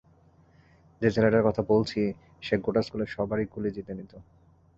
যে ছেলেটার কথা বলছি সে গোটা স্কুলের সবারই গুলি জিতে নিত।